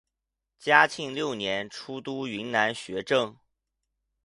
嘉庆六年出督云南学政。